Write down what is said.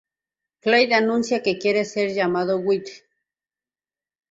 Clyde anuncia que quiere ser llamado "Guy".